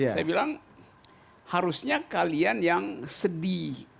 saya bilang harusnya kalian yang sedih